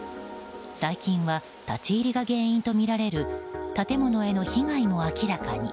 最近は立ち入りが原因とみられる建物への被害も明らかに。